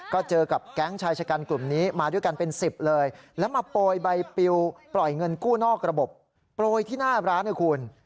ก็เจอกับแก๊งชายชะกันกลุ่มนี้มาด้วยกันเป็น๑๐เลยแล้วมาโปรยใบปิวปล่อยเงินกู้นอกระบบโปรยที่หน้าร้านนะคุณ